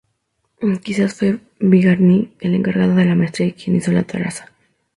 Quizá fue Bigarny el encargado de la maestría y quien hizo la traza.